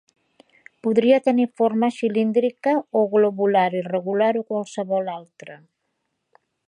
Podria tenir forma cilíndrica o globular irregular o qualsevol altra.